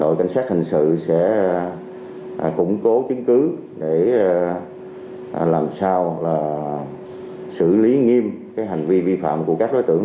đội cảnh sát hình sự sẽ củng cố chứng cứ để làm sao xử lý nghiêm hành vi vi phạm của các đối tượng